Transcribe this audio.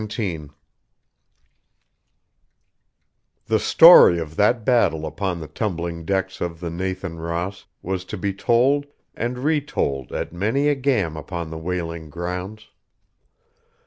XVII THE story of that battle upon the tumbling decks of the Nathan Ross was to be told and re told at many a gam upon the whaling grounds.